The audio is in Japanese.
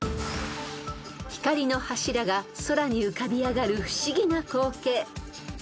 ［光の柱が空に浮かび上がる不思議な光景］